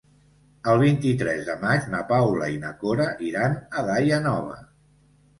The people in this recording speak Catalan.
El vint-i-tres de maig na Paula i na Cora iran a Daia Nova.